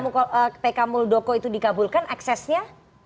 ketika pk muldoko itu dikabulkan eksesnya